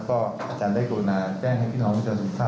ก็อาจารย์ได้กรุณาแจ้งให้พี่น้องผู้เจอสุขครับ